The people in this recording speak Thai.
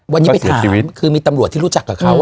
วันนี้ไปถามคือมีตำรวจที่รู้จักกับเขา